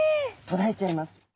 とらえちゃいます。